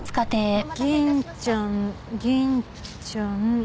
銀ちゃん銀ちゃん。